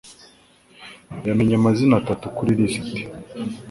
yamenye amazina atatu kuri lisiti.